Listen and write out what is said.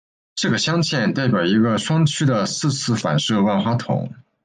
这个镶嵌代表一个双曲的四次反射万花筒。